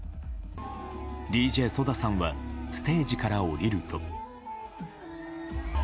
ＤＪＳＯＤＡさんはステージから降りると。